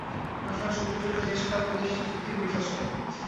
অবকাশ ও উপযুক্ত দেশ কাল পেলেই সেই শক্তির বিকাশ হয়।